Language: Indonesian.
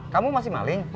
kamu masih maling